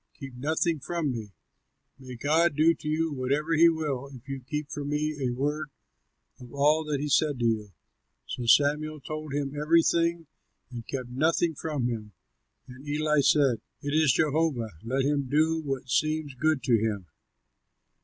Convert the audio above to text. Keep nothing from me; may God do to you whatever he will, if you keep from me a word of all that he said to you." So Samuel told him everything, and kept nothing from him. And Eli said, "It is Jehovah; let him do what seems good to him."